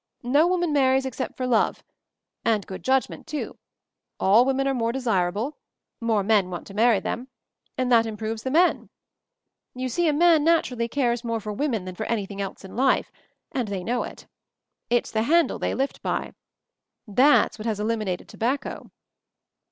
No woman marries except for love — and good judgment, too; all women are more desirable — more men want to marry them — and that improves the men ! You see, a man naturally cares more for women than for anything else in life — and they know it ! It's the handle they lift by. That's what has eliminated tobacco."